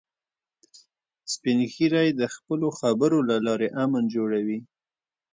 سپین ږیری د خپلو خبرو له لارې امن جوړوي